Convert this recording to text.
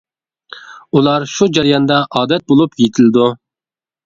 ئۇلار شۇ جەرياندا ئادەت بولۇپ يېتىلىدۇ.